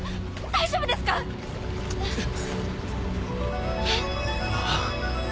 大丈夫ですか⁉えっ？